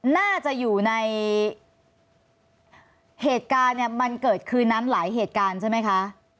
น่าจะอยู่ในเหตุการณ์เนี่ยมันเกิดคืนนั้นหลายเหตุการณ์ใช่ไหมคะ